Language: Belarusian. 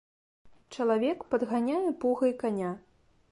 Чалавек падганяе пугай каня.